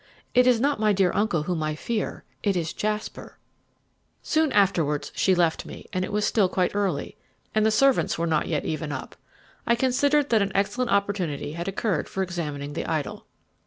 It is not my dear uncle whom I fear; it is Jasper." Soon afterwards she left me, and as it was still quite early, and the servants were not yet even up, I considered that an excellent opportunity had occurred for examining the idol.